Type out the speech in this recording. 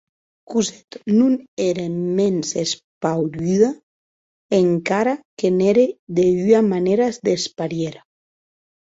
Cosette non ère mens espaurida, encara que n’ère de ua manèra desparièra.